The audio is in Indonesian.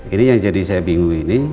ini yang jadi saya bingung ini